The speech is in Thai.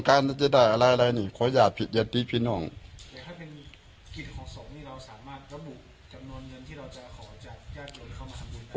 แต่ถ้าเป็นกฤตของสมเราสามารถระบุจำนวนเงินที่เราจะขอจะยากโดยเข้ามาทำบุญ